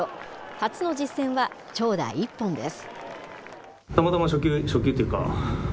初の実戦は、長打１本です。